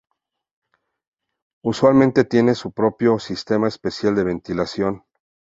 Usualmente tienen un su propio sistema especial de ventilación.